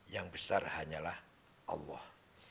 yang besar hanyalah allah